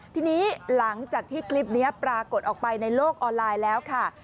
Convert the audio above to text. ทีนี้หลังจากที่คลิปนี้ปรากฏออกไปในโลกออนไลน์แล้วค่ะ